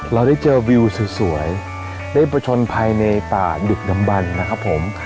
เราได้เจอวิวสวยได้ประชนภัยในป่าดึกดำบันนะครับผม